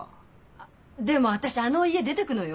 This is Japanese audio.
あっでも私あの家出ていくのよ。